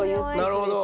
なるほど！